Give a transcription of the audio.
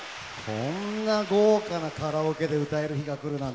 こんな豪華なカラオケで歌える日が来るなんて。